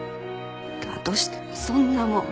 「だとしたらそんなもん」